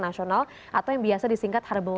nasional atau yang biasa disingkat harble